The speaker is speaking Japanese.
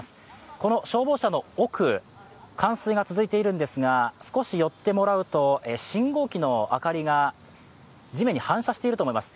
この消防車の奥、冠水が続いているんですが、少し寄ってもらうと信号機の明かりが地面に反射していると思います。